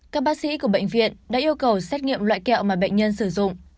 các bác sĩ của bệnh viện đã yêu cầu xét nghiệm loại kẹo mà bệnh nhân sử dụng